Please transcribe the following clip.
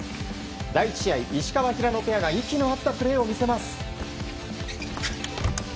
第１試合、石川、平野ペアが息の合ったプレーを見せます。